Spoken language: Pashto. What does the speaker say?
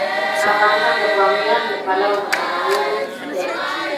افغانستان د بامیان له پلوه متنوع دی.